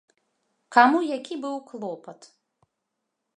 Каму які быў клопат?